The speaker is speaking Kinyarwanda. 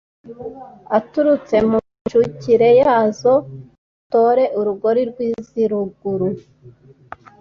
Aturutse mu micukire yazoMutore urugori rw' iz' iruguru